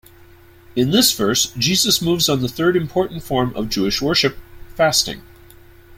In this verse Jesus moves on the third important form of Jewish worship: fasting.